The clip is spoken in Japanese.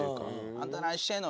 「あんた何してんの！」